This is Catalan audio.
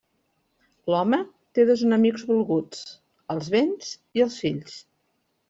L'home té dos enemics volguts: els béns i els fills.